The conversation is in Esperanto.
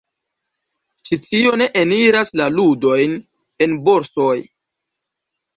Ĉi tio ne eniras la ludojn en borsoj.